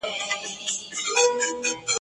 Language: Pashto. رسوي مو زیار او صبر تر هدف تر منزلونو !.